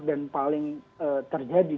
dan paling terjadi